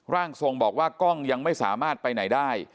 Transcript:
ร่างทรงบอกว่ากล้องยังไม่สามารถไปไหนได้